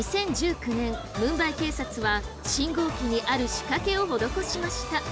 ２０１９年ムンバイ警察は信号機にある仕掛けを施しました。